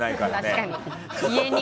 確かに。